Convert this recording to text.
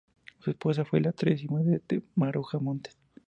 Su esposa fue la actriz y vedette Maruja Montes.